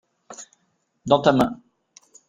dans ta main.